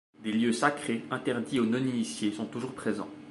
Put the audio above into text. Des lieux sacrés, interdits aux non-initiés sont toujours présents.